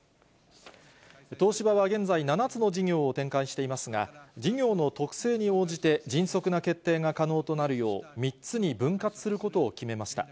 東芝は現在、７つの事業を展開していますが、事業の特性に応じて、迅速な決定が可能となるよう、３つに分割することを決めました。